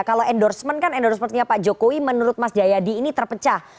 kalau endorsement kan endorsementnya pak jokowi menurut mas jayadi ini terpecah